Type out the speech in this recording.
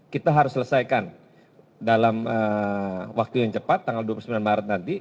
kita harus selesaikan dalam waktu yang cepat tanggal dua puluh sembilan maret nanti